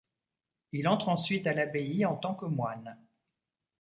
Il entre ensuite à l'abbaye en tant que moine.